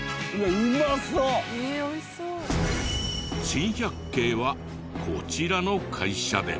珍百景はこちらの会社で。